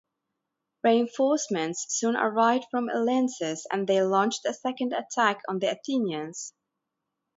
Reinforcements soon arrived from Olynthus, and they launched a second attack on the Athenians.